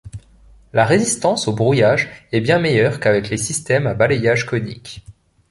La résistance au brouillage est bien meilleure qu'avec les systèmes à balayage conique.